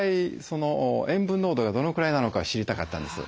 塩分濃度がどのくらいなのかを知りたかったんです。